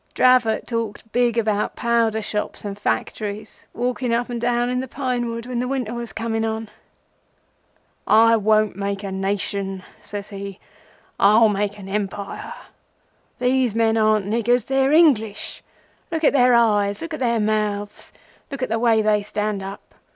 Dravot talked big about powder shops and factories, walking up and down in the pine wood when the winter was coming on. "'I won't make a Nation,' says he. 'I'll make an Empire! These men aren't niggers; they're English! Look at their eyes—look at their mouths. Look at the way they stand up.